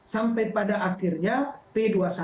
sampai pada akhirnya p dua puluh satu